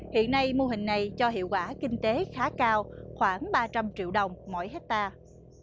hiện nay mô hình này cho hiệu quả kinh tế khá cao khoảng ba trăm linh triệu đồng mỗi hectare